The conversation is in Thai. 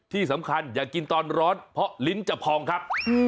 ที่สำคัญอย่ากินตอนร้อนเพราะลิ้นจะพองครับ